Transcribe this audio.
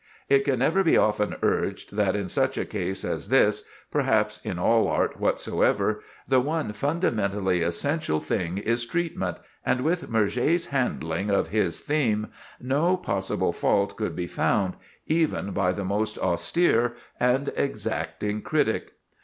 It can never be often urged that in such a case as this—perhaps in all art whatsoever—the one fundamentally essential thing is treatment; and with Murger's handling of his theme, no possible fault could be found, even by the most austere and exacting critic.